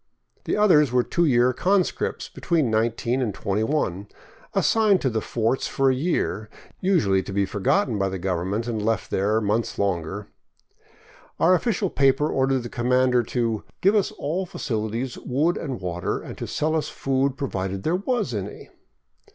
The others were two year conscripts between nineteen and twenty one, assigned to the forts for a year, usually to be forgotten by the govern ment and left there months longer. Our official paper ordered the commander to " give us all facilities, wood and water, and to sell us food — provided there was any."